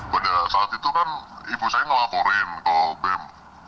pada saat itu kan ibu saya ngelaporin ke bem